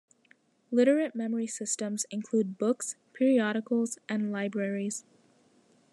Literate memory systems include books, periodicals, and libraries.